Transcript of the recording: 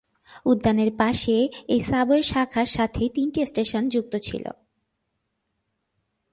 উদ্যানের পাশে এই সাবওয়ে শাখার সাথে তিনটি স্টেশন যুক্ত ছিল।